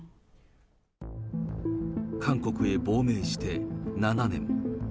韓国へ亡命して７年。